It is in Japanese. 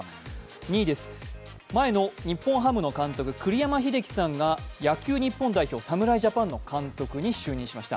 ２位です、前日本ハムの監督、栗山英樹さんが野球日本代表、侍ジャパンの監督に就任しました。